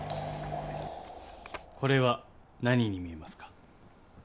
これは何に見えますか？